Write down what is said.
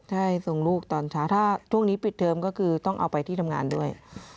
ใช่ส่งลูกตอนเช้าถ้าช่วงนี้ปิดเทอมก็คือต้องเอาไปที่ทำงานด้วย